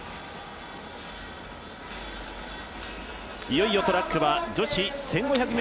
いよいよトラックは女子１５００ｍ。